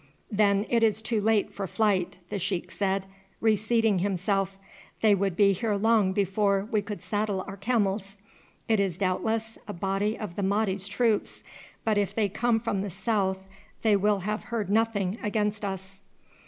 "Then it is too late for flight," the sheik said, reseating himself; "they would be here long before we could saddle our camels. It is doubtless a body of the Mahdi's troops, but if they come from the south they will have heard nothing against us."